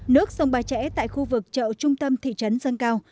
nước sông bãi chẽ tại khu vực chợ trung tâm thị trấn dân cao